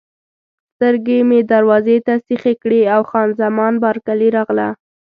سترګې مې دروازې ته سیخې کړې او خان زمان بارکلي راغله.